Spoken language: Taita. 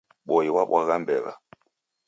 Boi wabwagha mbew'a.